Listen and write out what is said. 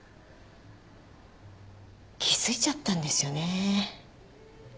気付いちゃったんですよね。